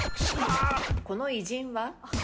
この偉人は？